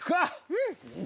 うん。